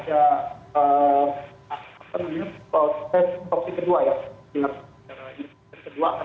dan yang kedua itu harus diaktifkan